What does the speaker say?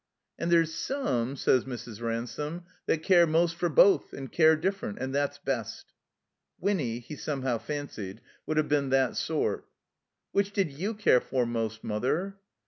"And there's some," said Mrs. Ransome, "that care most for both, and care different, and that's best." (Winny, he somehow fancied, would have been that sort.) "Which did you care for most, Mother?"